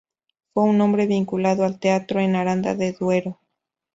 Fue un hombre vinculado al teatro en Aranda de Duero.